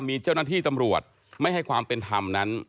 มีเจ้าหน้าที่ตำรวจไม่ให้ความเป็นธรรมนั้น